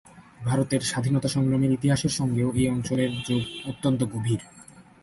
ভারতের স্বাধীনতা সংগ্রামের ইতিহাসের সঙ্গেও এই অঞ্চলের যোগ অত্যন্ত গভীর।